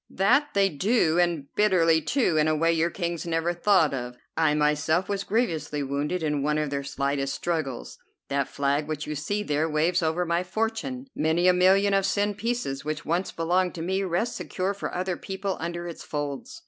"That they do, and bitterly, too, in a way your kings never thought of. I myself was grievously wounded in one of their slightest struggles. That flag which you see there waves over my fortune. Many a million of sen pieces which once belonged to me rest secure for other people under its folds."